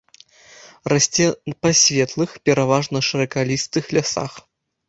Расце па светлых, пераважна шыракалістых лясах.